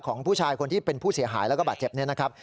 ผู้ชายคนที่เป็นผู้เสียหายแล้วก็บาดเจ็บนี้นะครับ